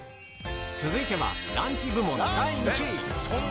続いては、ランチ部門第１位。